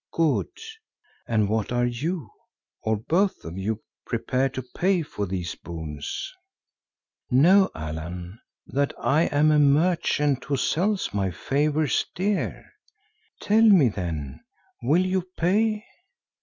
Good. And what are you, or both of you, prepared to pay for these boons? Know, Allan, that I am a merchant who sells my favours dear. Tell me then, will you pay?"